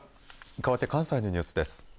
かわって関西のニュースです。